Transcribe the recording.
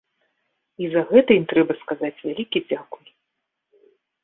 І за гэта ім трэба сказаць вялікі дзякуй.